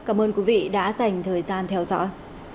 cảm ơn quý vị đã dành thời gian theo dõi